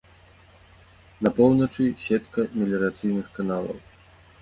На поўначы сетка меліярацыйных каналаў.